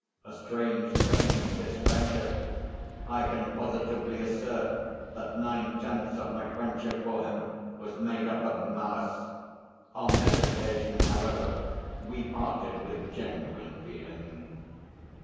A strange thing, this friendship! I can positively assert that nine tenths of my friendship for him was made up of malice. On this occasion, however, we parted with genuine feeling.